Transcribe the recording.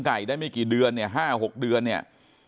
ไก่ได้ไม่กี่เดือนเนี่ย๕๖เดือนเนี่ย